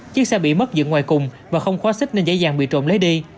chiếc xe bị mất dựng ngoài cùng và không khóa xích nên dễ dàng bị trộm lấy đi